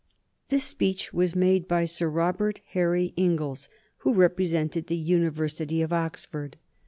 This speech was made by Sir Robert Harry Inglis, who represented the University of Oxford.